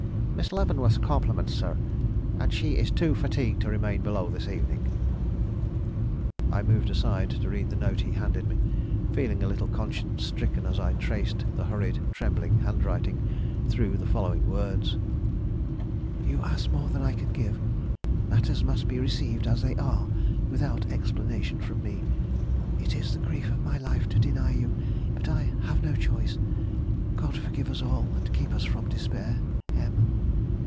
"Miss Leavenworth's compliments, sir, and she is too fatigued to remain below this evening." I moved aside to read the note he handed me, feeling a little conscience stricken as I traced the hurried, trembling handwriting through the following words: "You ask more than I can give. Matters must be received as they are without explanation from me. It is the grief of my life to deny you; but I have no choice. God forgive us all and keep us from despair. "M."